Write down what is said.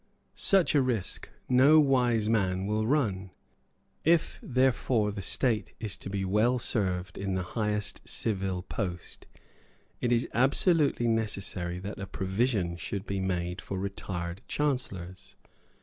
Such a risk no wise man will run. If, therefore, the state is to be well served in the highest civil post, it is absolutely necessary that a provision should be made for retired Chancellors.